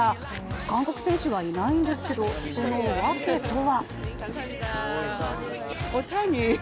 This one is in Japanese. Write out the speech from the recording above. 韓国選手はいないんですけど、その訳とは？